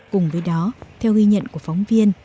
cùng với đó theo ghi nhận của phóng viên